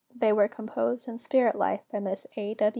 They were composed in spirit life by Miss A.